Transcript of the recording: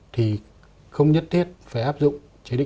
thì không nhất thiết phải áp dụng